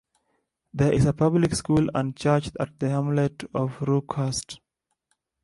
There is a public school and church at the hamlet of Rookhurst.